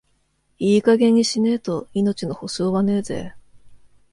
いい加減にしねえと、命の保証はねえぜ。